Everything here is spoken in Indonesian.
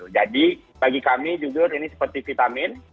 jadi bagi kami jujur ini seperti vitamin